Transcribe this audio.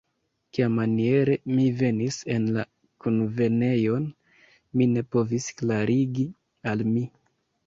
Kiamaniere mi venis en la kunvenejon, mi ne povis klarigi al mi.